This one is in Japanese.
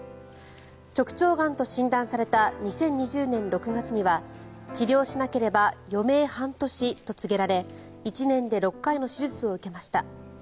直腸がんと診断された２０２０年６月には治療しなければ余命半年と告げられ１年で６回の手術を受けました。